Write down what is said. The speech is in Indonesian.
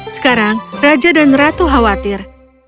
sekarang raja dan ratu khawatir